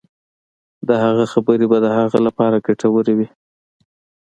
د هغه خبرې به د هغه لپاره ګټورې وي.